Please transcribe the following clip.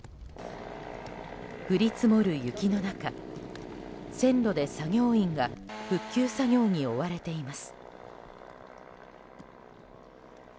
降り積もる雪の中線路で作業員が復旧作業に追われています。